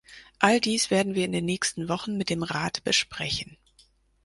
All dies werden wir in den nächsten Wochen mit dem Rat besprechen.